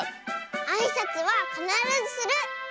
あいさつはかならずする！